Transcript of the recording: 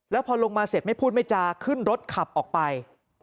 แล้วพอลงมาเสร็จไม่พูดไม่จาขึ้นรถขับออกไป